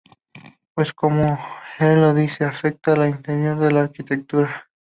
Pues como el lo dice afecta al interior de la arquitectura.